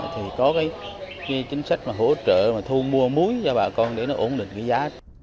thì có cái chính sách mà hỗ trợ mà thu mua muối cho bà con để nó ổn định cái giá